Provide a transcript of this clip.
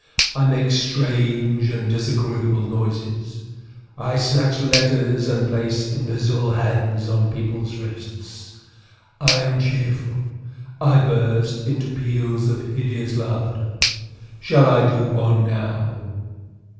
I make strange and disagreeable noises. I snatch letters and place invisible hands on people's wrists. I am cheerful. I burst into peals of hideous laughter. Shall I do one now?"